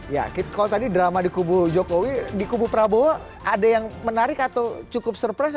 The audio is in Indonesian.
ya kalau tadi drama di kubu jokowi di kubu prabowo ada yang menarik atau cukup surprise